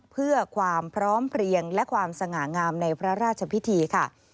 เพื่อความพร้อมเพลียงและความสง่างามในพระราชพิธีค่ะ